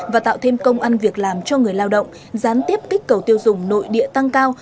và tạo thêm công ăn việc làm cho người lao động gián tiếp kích cầu tiêu dùng nội địa tăng cao